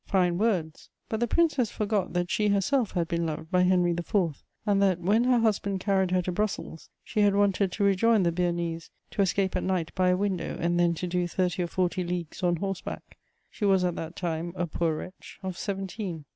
Fine words; but the Princess forgot that she herself had been loved by Henry IV., and that, when her husband carried her to Brussels, she had wanted to rejoin the Bearnese, "to escape at night by a window, and then to do thirty or forty leagues on horse back;" she was at that time a "poor wretch" of seventeen.